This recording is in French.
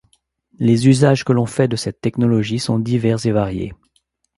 Les usages que l'on fait de cette technologie sont divers et variés.